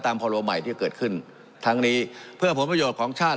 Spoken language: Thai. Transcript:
พรโลใหม่ที่เกิดขึ้นทั้งนี้เพื่อผลประโยชน์ของชาติ